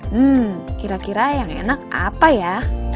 hmm kira kira yang enak apa ya